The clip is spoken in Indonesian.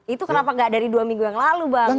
itu kenapa gak dari dua minggu yang lalu bang